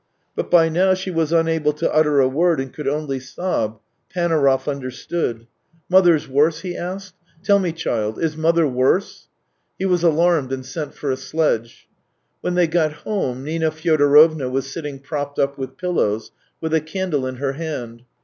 But by now she was unable to utter a word, and could only sob. Panaurov understood. " Mother's worse ?" he asked. " Tell me, child: is mother worse ?" He was alarmed and sent for a sledge. When they got home, Nina Fyodorovna was sitting propped up with pillows, with a candle in her hand.